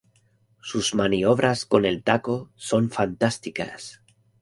Sus maniobras con el taco son fantásticas.